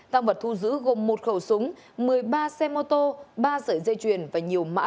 tăng vật thu giữ gồm một khẩu súng một mươi ba xe mô tô ba sợi dây chuyền và nhiều mã